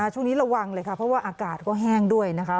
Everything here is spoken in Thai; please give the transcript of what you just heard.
ช่วงนี้ระวังเลยค่ะเพราะว่าอากาศก็แห้งด้วยนะคะ